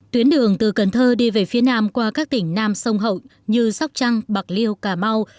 tuyến đường từ cần thơ đi về phía nam qua các tỉnh nam sông hậu như sóc trăng bạc liêu cà mau